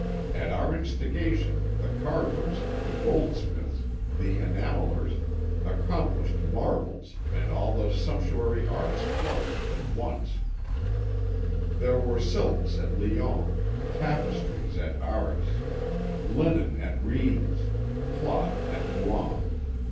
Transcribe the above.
At our instigation the carvers, the gold smiths, the enamellers, accomplished marvels and all the sumptuary arts flourished at once; there were silks at Lyons, tapestries at Arras, linen at Rheims, cloth at Rouen.